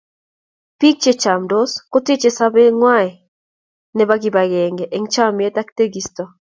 biik che camdos, koteechei sobeetng'wai nebo kip agenge eng chomyet ak tekiisto